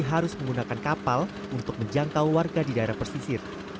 harus menggunakan kapal untuk menjangkau warga di daerah pesisir